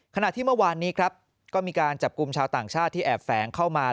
ขณะที่เมื่อวานนี้ครับก็มีการจับกลุ่มชาวต่างชาติที่แอบแฝงเข้ามา